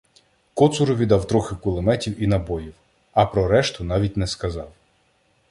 Коцурові дав трохи кулеметів і набоїв, а про решту навіть не сказав.